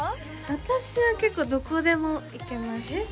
私は結構どこでも行けますえっ